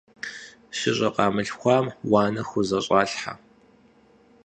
ШыщӀэ къамылъхуам уанэ хузэщӀалъхьэ.